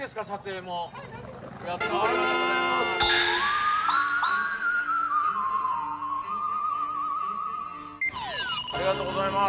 おめでとうございます。